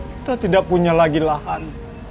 kita tidak punya lagi lahan